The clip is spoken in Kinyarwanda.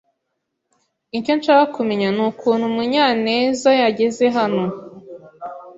Icyo nshaka kumenya nukuntu Munyanezyageze hano.